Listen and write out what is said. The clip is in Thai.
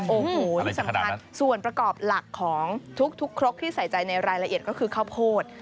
โอ้โหที่สำคัญส่วนประกอบหลักของทุกครกที่ใส่ใจในรายละเอียดก็คือข้าวโพด